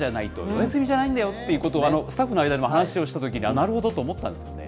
お休みじゃないんだよということを、スタッフの間でも話をしたときに、なるほどと思ったんですよね。